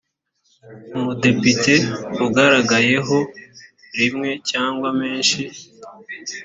umudepite ugaragayeho rimwe cyangwa menshi